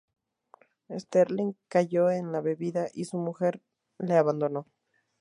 Sterling cayó en la bebida y su mujer le abandonó.